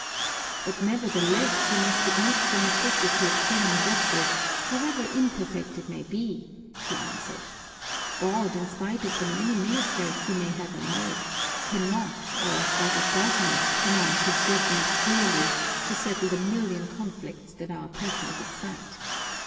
"But nevertheless you must admit the necessity of human justice, however imperfect it may be," he answered. "God, in spite of the many ministers He may have on earth, cannot, or rather does not, pronounce His judgments clearly to settle the million conflicts that our passions excite.